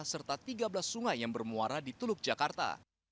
serta tiga belas sungai yang bermuara di teluk jakarta